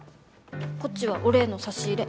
こっちはお礼の差し入れ。